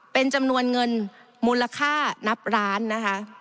เป็นจำนวนเงินมูลค่านับล้านนะคะ